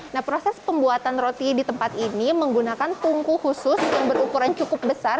nah proses pembuatan roti di tempat ini menggunakan tungku khusus yang berukuran cukup besar